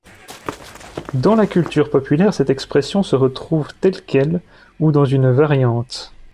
Dans la culture populaire, cette expression se retrouve telle quelle ou dans une variante.